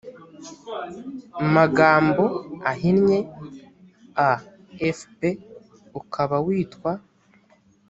magambo ahinnye a f p ukaba witwa